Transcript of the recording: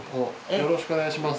よろしくお願いします。